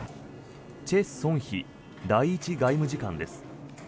チェ・ソンヒ第１外務次官です。